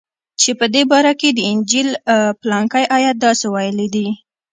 چې په دې باره کښې د انجيل پلانکى ايت داسې ويلي دي.